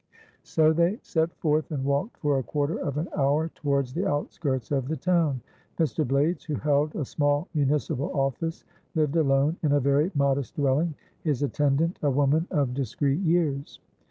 So they set forth, and walked for a quarter of an hour towards the outskirts of the town. Mr. Blaydes, who held a small municipal office, lived alone in a very modest dwelling, his attendant a woman of discreet years.